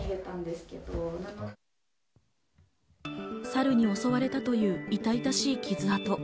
サルに襲われたという痛々しい傷痕。